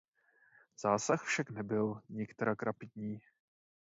Zásah však nebyl nikterak rapidní.